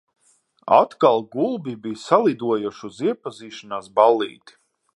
Atkal gulbji bija salidojuši uz iepazīšanās ballīti.